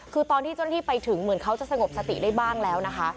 คือตอนที่เจ้าหน้าที่ไปถึงเหมือนเขาจะสงบสติได้บ้างแล้วนะคะ